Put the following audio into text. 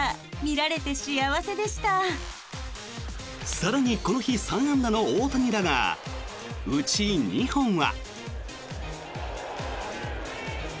更に、この日３安打の大谷だがうち２本は。